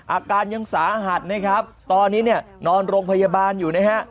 อาการยังสาหัสนะครับตอนนี้เนี่ยนอนโรงพยาบาลอยู่นะฮะ